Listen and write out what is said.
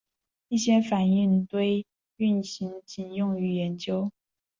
一些反应堆运行仅用于研究。